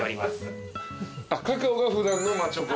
カカオが普段のチョコ。